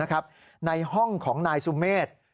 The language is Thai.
นะครับในห้องของนายสุเมฆ